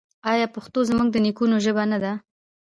آیا پښتو زموږ د نیکونو ژبه نه ده؟